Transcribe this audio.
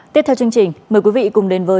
tiếp theo chương trình mời quý vị cùng đến với